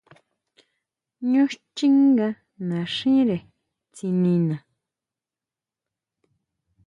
Ñú chjinga naxíre tsinina.